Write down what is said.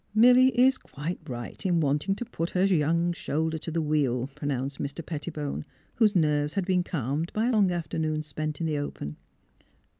" Milly is quite right in wanting to put her young shoulder to the wheel," pronounced Mr. Pettibone, whose nerves had been calmed by a long afternoon spent in the open.